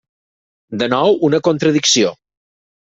De nou una contradicció.